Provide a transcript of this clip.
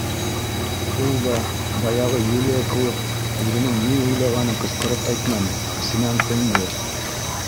Ул да баяғы Юлия кеүек үҙенең ни уйлағанын ҡысҡырып әйтмәне, эсенән тынды.